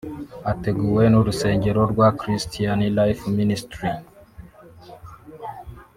ateguwe n’urusengero rwa Christian Life Ministry